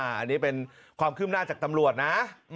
อันนี้เป็นความคืบหน้าจากตำรวจนะ